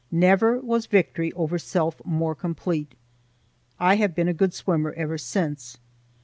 Never was victory over self more complete. I have been a good swimmer ever since.